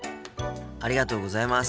ありがとうございます。